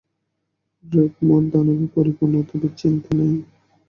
ড্রেগমোর দানবে পরিপূর্ণ, তবে চিন্তা নেই।